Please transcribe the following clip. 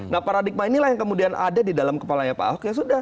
nah paradigma inilah yang kemudian ada di dalam kepalanya pak ahok ya sudah